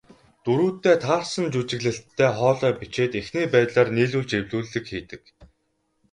Дүрүүддээ таарсан жүжиглэлттэй хоолой бичээд, эхний байдлаар нийлүүлж эвлүүлэг хийдэг.